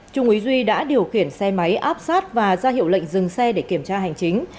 trung úy duy đã điều khiển xe máy áp sát và ra hiệu lệnh dừng xe để kiểm tra hành chính